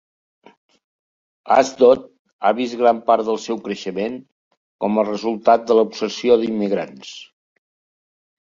Ashdod ha vist gran part del seu creixement com a resultat de l'absorció d'immigrants.